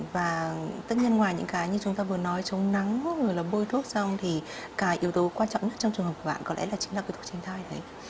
và tất nhiên ngoài những cái như chúng ta vừa nói chống nắng bôi thuốc xong thì cả yếu tố quan trọng nhất trong trường hợp của bạn có lẽ là chính là thuốc tránh thai đấy